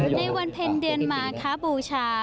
ในวันเพ็ญเดือนมาคบูชา